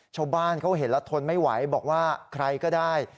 ชาวบ้านเขาเห็นแล้วทนไม่ไหวบอกว่าใครก็ได้